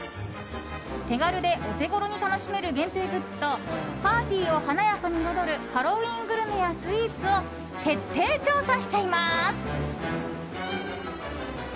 手軽でオテゴロに楽しめる限定グッズとパーティーを華やかに彩るハロウィーングルメやスイーツを徹底調査しちゃいます！